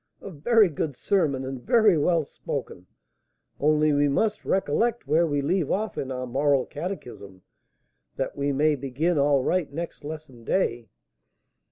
A very good sermon, and very well spoken! Only we must recollect where we leave off in our moral catechism, that we may begin all right next lesson day.